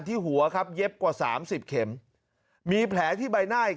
หัวครับเย็บกว่าสามสิบเข็มมีแผลที่ใบหน้าอีก